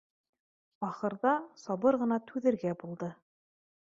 Ахырҙа сабыр ғына түҙергә булды